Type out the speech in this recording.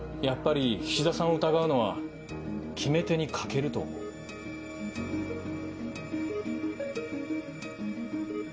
やっぱり菱田さんを疑うのは決め手に欠けると思う。